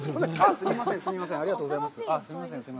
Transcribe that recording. すみません、すみません、ありがとうございます。